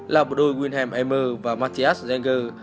là bộ đôi wilhelm emmer và matthias jenger